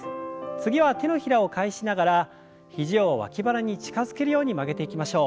次は手のひらを返しながら肘を脇腹に近づけるように曲げていきましょう。